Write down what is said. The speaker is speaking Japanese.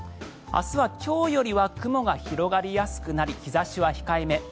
明日は今日よりは雲が広がりやすくなり日差しは控えめ。